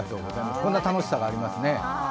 こんな楽しさがありますね。